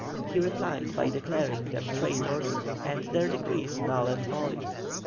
He replied by declaring them traitors and their decrees null and void.